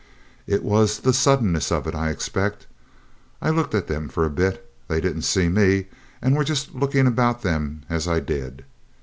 It was the suddenness of it, I expect. I looked at them for a bit. They didn't see me, and were just looking about them as I did.